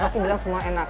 pasti bilang semua enak